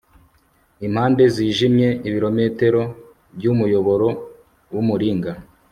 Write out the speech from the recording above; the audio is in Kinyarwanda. impande zijimye, ibirometero byumuyoboro wumuringa